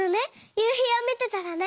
ゆうひをみてたらね。